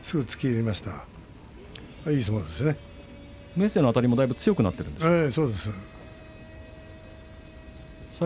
明生のあたりもだいぶ強くなっていますね。